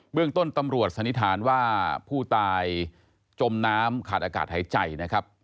เรื่องต้นตำรวจสันนิษฐานว่าผู้ตายจมน้ำขาดอากาศหายใจนะครับ